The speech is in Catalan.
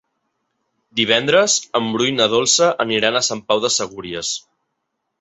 Divendres en Bru i na Dolça aniran a Sant Pau de Segúries.